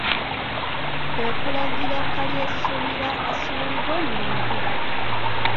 Kwe kulagira Kalyesuubira asuulibwe mu nvuba.